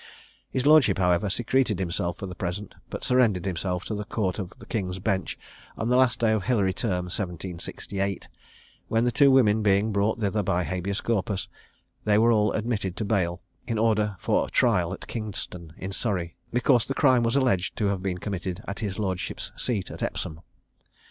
His lordship, however, secreted himself for the present, but surrendered himself to the Court of King's Bench on the last day of Hilary Term, 1768; when the two women being brought thither by habeas corpus, they were all admitted to bail, in order for trial at Kingston, in Surrey, because the crime was alleged to have been committed at his lordship's seat at Epsom.